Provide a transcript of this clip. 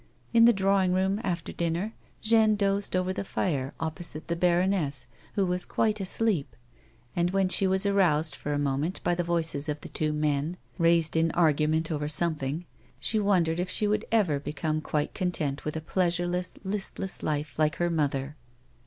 In the drawing room, after dinner, Jeanne dozed over the fire opposite the baroness who was quite asleep, and, when she was ai oused for a moment by the voices of the two men, raised in argument over something, she wondered if she would ever become quite content with a pleasureless, listless life like her mother.